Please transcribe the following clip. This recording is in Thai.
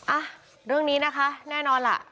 อ่ะเรื่องนี้นะคะแน่นอนล่ะ